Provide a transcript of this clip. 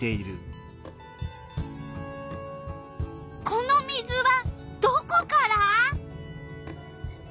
この水はどこから？